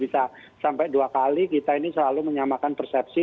bisa sampai dua kali kita ini selalu menyamakan persepsi